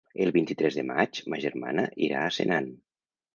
El vint-i-tres de maig ma germana irà a Senan.